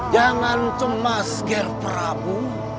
jangan cemas ger prabu